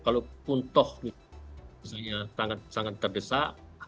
kalau pun toh misalnya sangat terdesak